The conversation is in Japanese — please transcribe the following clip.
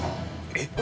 えっ？